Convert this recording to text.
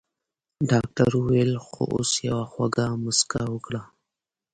ډاکټر وويل خو اوس يوه خوږه مسکا وکړه.